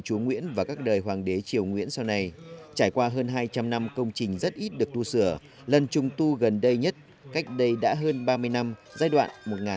chúa nguyễn và các đời hoàng đế triều nguyễn sau này trải qua hơn hai trăm linh năm công trình rất ít được tu sửa lần trùng tu gần đây nhất cách đây đã hơn ba mươi năm giai đoạn một nghìn chín trăm tám mươi ba một nghìn chín trăm tám mươi năm